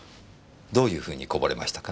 どういうふうにこぼれましたか？